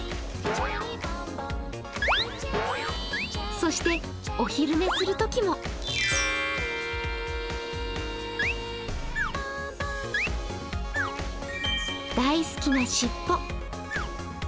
そしてお昼寝するときも大好きな尻尾。